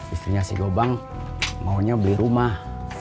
istrinya sigo bang maunya beli rumah